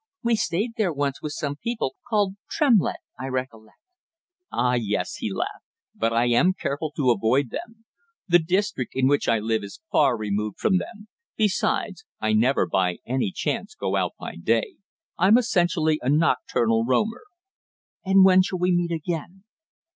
We stayed there once with some people called Tremlett, I recollect." "Ah, yes," he laughed. "But I am careful to avoid them. The district in which I live is far removed from them. Besides, I never by any chance go out by day. I'm essentially a nocturnal roamer." "And when shall we meet again?"